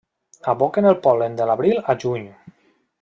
Aboquen el pol·len de l'abril a juny.